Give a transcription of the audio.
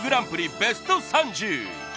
ベスト３０。